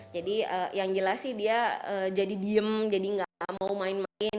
yang jelas sih dia jadi diem jadi nggak mau main main